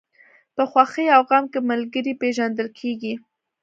په خوښۍ او غم کې ملګری پېژندل کېږي.